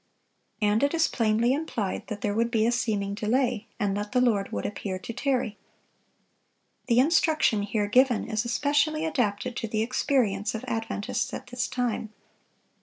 And it is plainly implied that there would be a seeming delay, and that the Lord would appear to tarry. The instruction here given is especially adapted to the experience of Adventists at this time.